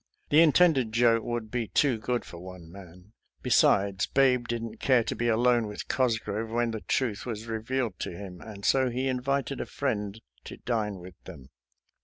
The intended joke would be too good for one man, besides Babe didn't care to be alone with Cosgrove when the truth was revealed to him, and so he invited a friend to dine with them.